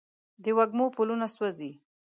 د وږمو پلونه سوزي